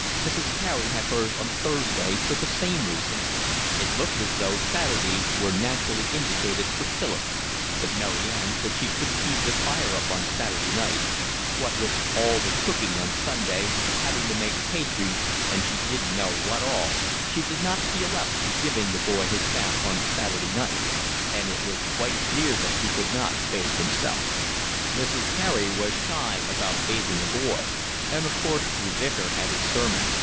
Mrs. Carey had hers on Thursday for the same reason. It looked as though Saturday were naturally indicated for Philip, but Mary Ann said she couldn't keep the fire up on Saturday night: what with all the cooking on Sunday, having to make pastry and she didn't know what all, she did not feel up to giving the boy his bath on Saturday night; and it was quite clear that he could not bath himself. Mrs. Carey was shy about bathing a boy, and of course the Vicar had his sermon.